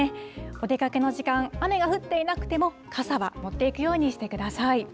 お出かけの時間、雨が降っていなくても、傘は持っていくようにしてください。